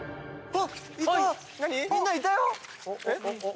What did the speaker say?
あっ！